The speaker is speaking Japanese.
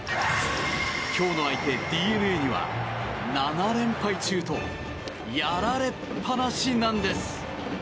今日の相手、ＤｅＮＡには７連敗中とやられっぱなしなんです。